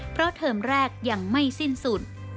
เพราะเทอมแรกยังไม่สิ้นสุด